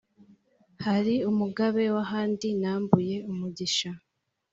hari umugabe w'ahandi nambuye umugisha